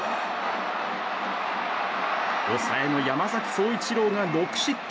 抑えの山崎颯一郎が６失点。